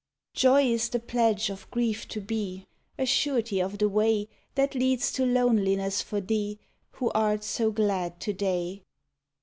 Joy is the pledge of grief to be, A surety of the way That leads to loneliness for thee, Who art so glad to day.